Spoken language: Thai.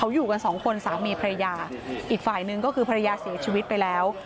อยู่กันสองคนสามีภรรยาอีกฝ่ายหนึ่งก็คือภรรยาเสียชีวิตไปแล้ว